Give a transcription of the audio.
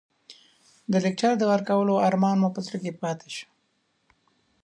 د لکچر د ورکولو ارمان مو په زړه پاتې شو.